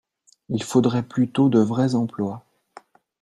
Il faudrait plutôt de vrais emplois